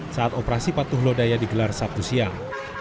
saat operasi patuh lodaya digelar sabtu siang